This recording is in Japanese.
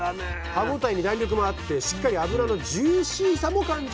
歯応えに弾力もあってしっかり脂のジューシーさも感じられる